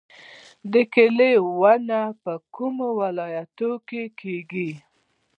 د کیوي ونې په کومو ولایتونو کې کیږي؟